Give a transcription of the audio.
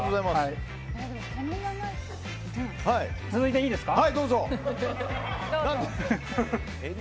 続いて、いいですか。